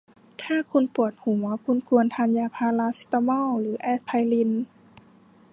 ถ้าคุณปวดหัว คุณควรทานยาพาราเซตามอลหรือแอสไพริน